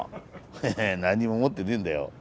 ヘヘッ何にも持ってねえんだよ。